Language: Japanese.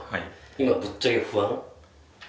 今ぶっちゃけ不安？